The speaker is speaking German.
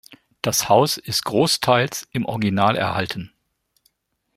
Das Haus ist großteils im Original erhalten.